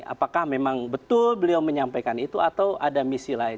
apakah memang betul beliau menyampaikan itu atau ada misi lain